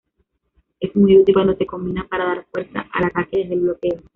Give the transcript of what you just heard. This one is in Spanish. Es muy útil cuando se combina para dar fuerza al ataque desde el bloqueo.